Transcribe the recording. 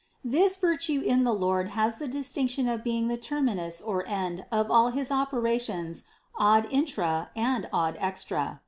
This virtue in the Lord has the distinction of being the terminus or end of all his operations ad intra and ad extra.